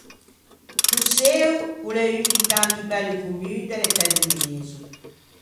Doçeo o l'é un di tanti belli commun de l'Etæ de Mezo.